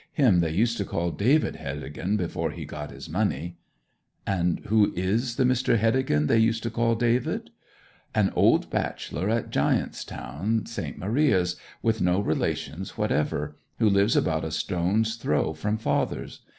'Him they used to call David Heddegan before he got his money.' 'And who is the Mr. Heddegan they used to call David?' 'An old bachelor at Giant's Town, St. Maria's, with no relations whatever, who lives about a stone's throw from father's.